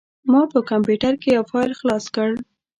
ما په کمپوټر کې یو فایل خلاص کړ.